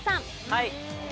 はい。